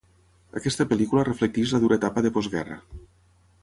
Aquesta pel·lícula reflecteix la dura etapa de postguerra.